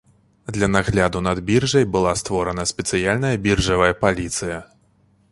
Для нагляду над біржай была створана спецыяльная біржавая паліцыя.